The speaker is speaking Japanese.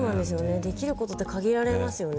できることって限られますよね。